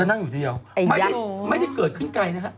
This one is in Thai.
นั่งอยู่ทีเดียวไม่ได้เกิดขึ้นไกลนะฮะ